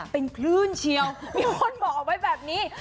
เป็นคลื่นเชียวมีคนบอกไว้แบบนี้